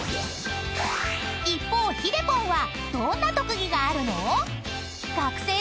［一方ひでぽんはどんな特技があるの？］